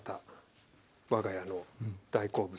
わが家の大好物。